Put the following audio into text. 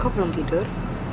kok belum tidur